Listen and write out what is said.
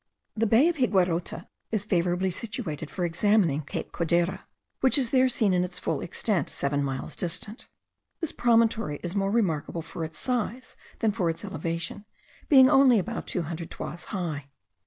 The bay of Higuerote is favourably situated for examining Cape Codera, which is there seen in its full extent seven miles distant. This promontory is more remarkable for its size than for its elevation, being only about two hundred toises high.